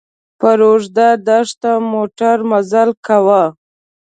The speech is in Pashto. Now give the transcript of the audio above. پر اوږده دښته موټر مزل کاوه.